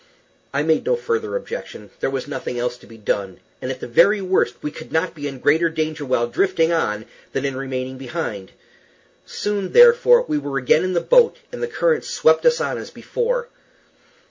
I made no further objection. There was nothing else to be done, and at the very worst we could not be in greater danger while drifting on than in remaining behind. Soon, therefore, we were again in the boat, and the current swept us on as before.